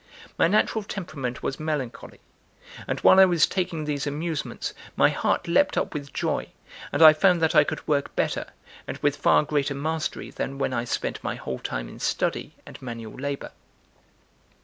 My natural temperament was melancholy, and while I was taking these amusements, my heart leapt up with joy, and I found that I could work better and with far greater mastery than when I spent my whole time in study and manual labour.